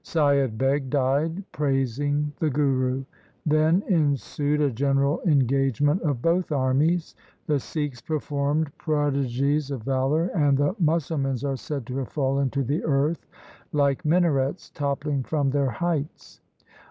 Saiyad Beg died praising the Guru. Then ensued a general engage ment of both armies. The Sikhs performed pro LIFE OF GURU GOBIND SINGH 163 digies of valour, and the Musalmans are said to have fallen to the earth like minarets toppling from their heights.